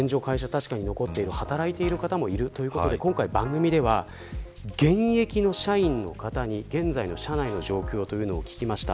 確かに会社に残っている、働いてる方もいらっしゃるということで今回、番組では現役の社員の方に現在の社員の社内の状況を聞きました。